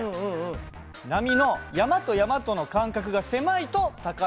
波の山と山との間隔が狭いと高い音。